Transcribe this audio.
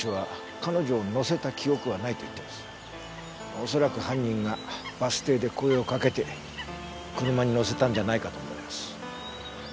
おそらく犯人がバス停で声をかけて車に乗せたんじゃないかと思います。